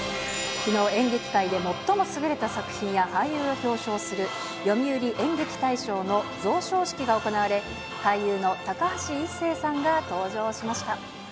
きのう、演劇界で最も優れた作品や俳優を表彰する、読売演劇大賞の贈賞式が行われ、俳優の高橋一生さんが登場しました。